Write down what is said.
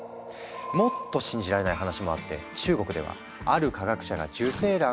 もっと信じられない話もあって中国ではある科学者が受精卵をゲノム編集。